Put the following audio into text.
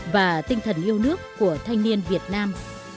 và tinh thần yêu nước của thanh niên việt nam